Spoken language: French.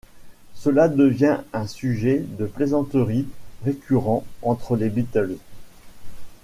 Cela devient un sujet de plaisanterie récurrent entre les Beatles.